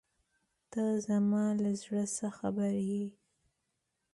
ته زما له زړۀ څه خبر یې.